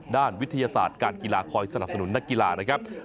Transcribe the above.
วิทยาศาสตร์การกีฬาคอยสนับสนุนนักกีฬานะครับ